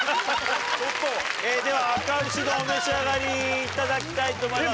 えぇではあか牛丼お召し上がりいただきたいと思います。